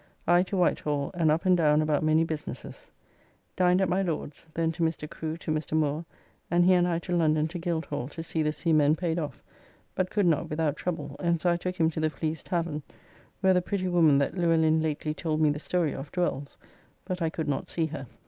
I to Whitehall, and up and down about many businesses. Dined at my Lord's, then to Mr. Crew to Mr. Moore, and he and I to London to Guildhall to see the seamen paid off, but could not without trouble, and so I took him to the Fleece tavern, where the pretty woman that Luellin lately told me the story of dwells, but I could not see her.